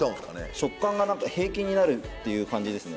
食感が何か平均になるっていう感じですね。